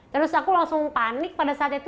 terus aku langsung panik pada saat itu